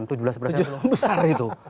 itu besar itu